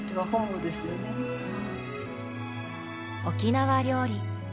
沖縄料理。